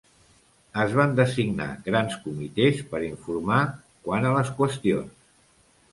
Es van designar grans comitès per informar quant a les qüestions.